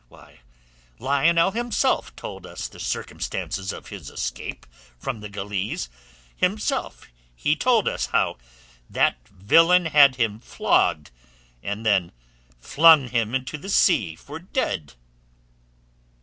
Why, Lionel himself told us the circumstances of his escape from the galeasse. Himself he told us how that villain had him flogged and then flung him into the sea for dead."